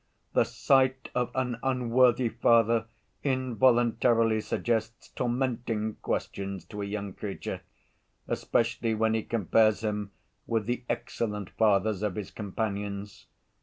The sight of an unworthy father involuntarily suggests tormenting questions to a young creature, especially when he compares him with the excellent fathers of his companions.